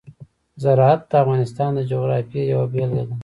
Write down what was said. زراعت د افغانستان د جغرافیې یوه بېلګه ده.